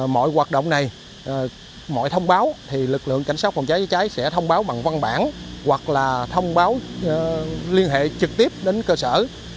mọi hoạt động này mọi thông báo thì lực lượng cảnh sát phòng cháy cháy sẽ thông báo bằng văn bản hoặc là thông báo liên hệ trực tiếp đến cơ sở